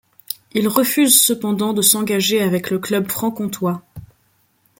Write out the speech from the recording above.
Il refuse cependant de s'engager avec le club franc-comtois.